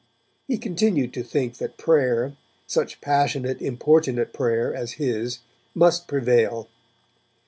He continued to think that prayer, such passionate importunate prayer as his, must prevail.